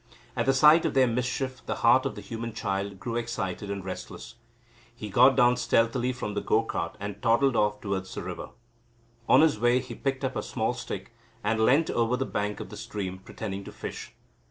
At the sight of their mischief, the heart of the human child grew excited and restless. He got down stealthily from the go cart and toddled off towards the river. On his way he picked up a small stick, and leant over the bank of the stream pretending to fish.